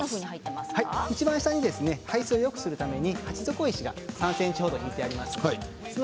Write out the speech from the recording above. いちばん下に排水をよくするために鉢底位置が３ｃｍほど敷いてあります。